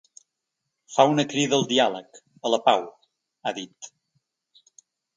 Fa una crida al diàleg, a la pau, ha dit.